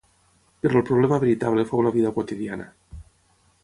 Però el problema veritable fou la vida quotidiana.